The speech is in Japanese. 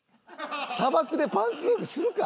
砂漠でパンツのぞきするか！